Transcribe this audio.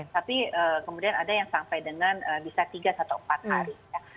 tapi kemudian ada yang sampai dengan bisa tiga atau empat hari